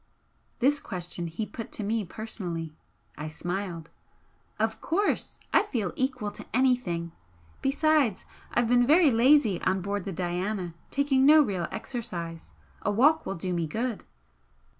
This question he put to me personally. I smiled. "Of course! I feel equal to anything! Besides, I've been very lazy on board the 'Diana,' taking no real exercise. A walk will do me good."